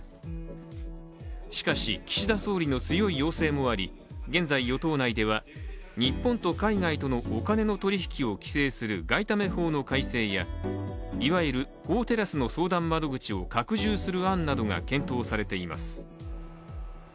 しかし、岸田総理の強い要請もあり現在、与党内では日本と海外とのお金の取引を規制する外為法の改正やいわゆる法テラスの相談窓口を拡充する案などが検討されています。